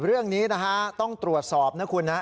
เรื่องนี้นะฮะต้องตรวจสอบนะคุณนะ